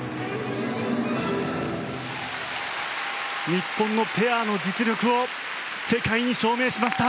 日本のペアの実力を世界に証明しました。